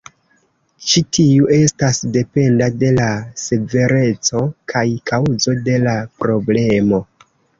Ĉi tiu estas dependa de la severeco kaj kaŭzo de la problemo.